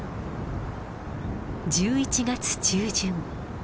１１月中旬。